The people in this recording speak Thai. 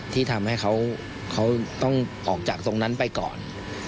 ที่ทำให้เขาต้องออกจากตรงนั้นไปก่อน